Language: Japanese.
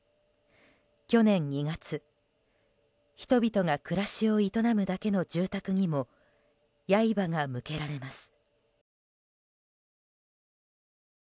去年２月、人々が暮らしを営むだけの住宅にも刃が向けられます。